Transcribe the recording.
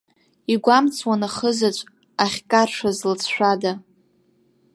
Игәамҵуан ахызаҵә ахькаршәыз лыҵшәада.